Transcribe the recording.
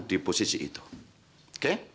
di posisi itu oke